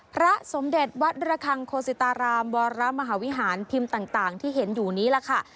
พระสมเด็จวัดระคังโคสิตารามวรมหาวิหารพิมพ์ต่างที่เห็นอยู่นี้ล่ะค่ะ